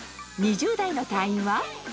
２０代の隊員は？